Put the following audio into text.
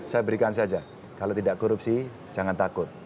saya berikan saja kalau tidak korupsi jangan takut